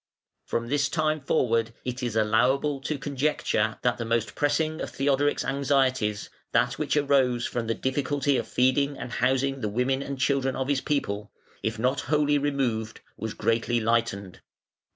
From this time forward it is allowable to conjecture that the most pressing of Theodoric's anxieties, that which arose from the difficulty of feeding and housing the women and children of his people, if not wholly removed was greatly lightened.